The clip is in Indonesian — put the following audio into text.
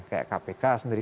seperti kpk sendiri